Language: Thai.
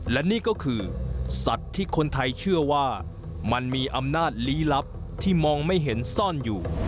และนี่ก็คือสัตว์ที่คนไทยเชื่อว่ามันมีอำนาจลี้ลับที่มองไม่เห็นซ่อนอยู่